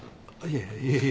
いえいえ。